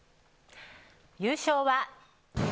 優勝は。